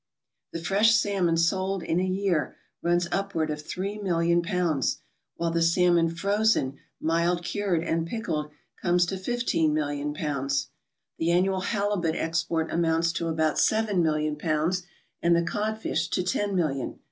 The fresh salmon sold in a year runs upward of three million pounds, while the salmon frozen, mild cured, and pickled comes to fifteen million pounds. The annual halibut export amounts to about seven million pounds, and the codfish to ten million.